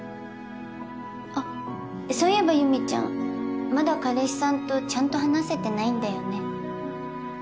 あっそういえばゆみちゃんまだ彼氏さんとちゃんと話せてないんだよね。